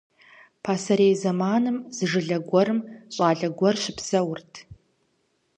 Пасэрей зэманым зы жылэ гуэрым щӀалэ гуэр щыпсэурт.